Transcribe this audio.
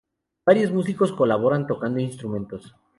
Varios músicos colaboran tocando instrumentos.